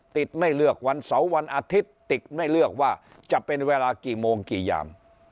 ไม่เลือกวันเสาร์วันอาทิตย์ติดไม่เลือกว่าจะเป็นเวลากี่โมงกี่ยาม